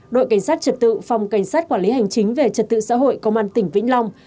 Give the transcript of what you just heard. đội cảnh sát trật tự phòng cảnh sát quản lý hành chính về trật tự xã hội công an tỉnh vĩnh long